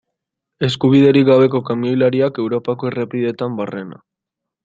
Eskubiderik gabeko kamioilariak Europako errepideetan barrena.